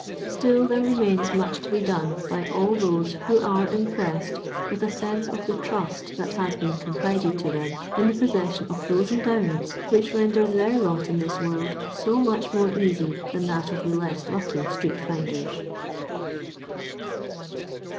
Still there remains much to be done by all those who are impressed with a sense of the trust that has been confided to them, in the possession of those endowments which render their lot in this world BO much more easy than that of the less lucky street finders.